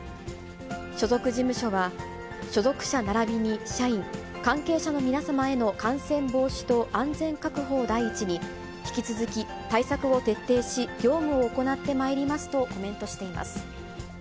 所属事務所は、所属者並びに社員、関係者の皆様への感染防止と安全確保を第一に、引き続き、対策を徹底し、業務を行ってまいりますとコメントしています。